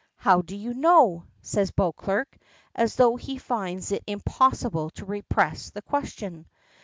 "How do you know?" asks Beauclerk, as though he finds it impossible to repress the question.